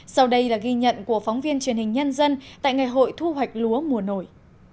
sau đây là ghi nhận của phóng viên truyền hình nhân dân tại ngày hội thu hoạch lúa mùa nổi